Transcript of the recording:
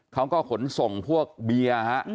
เขาก็ขนส่งพวกเบียร์ฮะ